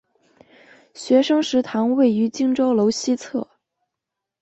学生食堂位于荆州楼西侧。